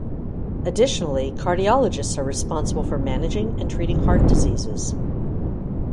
Additionally, cardiologists are responsible for managing and treating heart diseases.